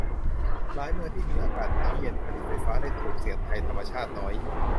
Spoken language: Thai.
หลายเมืองที่มีอากาศหนาวเย็น ผลิตไฟฟ้าได้ถูก เสี่ยงภัยธรรมชาติน้อย